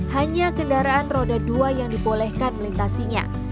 hanya kendaraan roda dua yang dibolehkan melintasinya